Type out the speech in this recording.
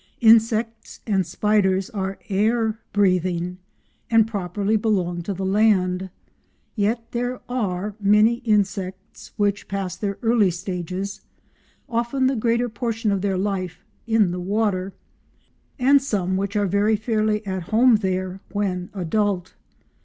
Insects and spiders are air breathing, and properly belong to the land; yet there are many insects which pass their early stages—often the greater portion of their life—in the water, and some which are very fairly at home there when adult.